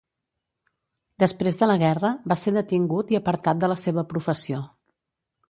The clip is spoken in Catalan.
Després de la guerra va ser detingut i apartat de la seva professió.